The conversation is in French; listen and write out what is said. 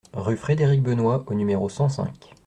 rue Frédéric Benoist au numéro cent cinq